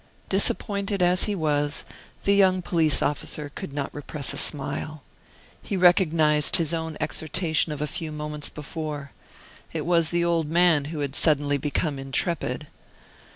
Disappointed as he was, the young police officer could not repress a smile. He recognized his own exhortation of a few moments before. It was the old man who had suddenly become intrepid.